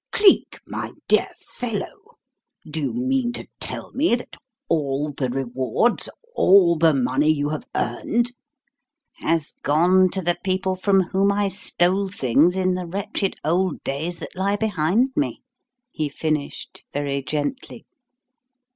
Cleek, my dear fellow, do you mean to tell me that all the rewards, all the money you have earned " "Has gone to the people from whom I stole things in the wretched old days that lie behind me," he finished very gently.